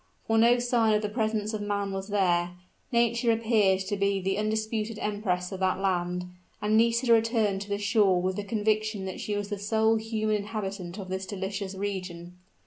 For no sign of the presence of man was there; Nature appeared to be the undisputed empress of that land; and Nisida returned to the shore with the conviction that she was the sole human inhabitant of this delicious region.